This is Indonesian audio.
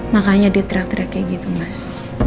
makanya dia teriak teriak kayak gitu mas